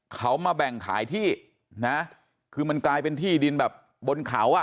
เขามาแบ่งขายที่นะคือมันกลายเป็นที่ดินแบบบนเขาอ่ะ